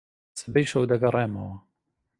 سبەی شەو دەگەڕێمەوە.